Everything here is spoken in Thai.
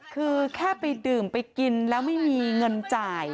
คือแค่ไปดื่มไปกินแล้วไม่มีเงินจ่าย